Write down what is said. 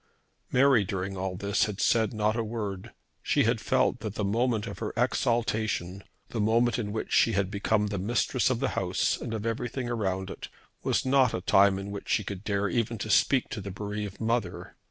Mary during all this had said not a word. She had felt that the moment of her exaltation, the moment in which she had become the mistress of the house and of everything around it, was not a time in which she could dare even to speak to the bereaved mother.